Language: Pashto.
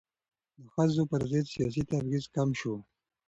د ښځو پر ضد سیاسي تبعیض کم شو.